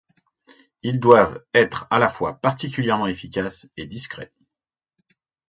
Ils doivent être à la fois particulièrement efficaces et discrets.